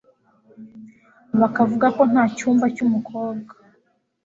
bakavuga ko nta cyumba cy umukobwa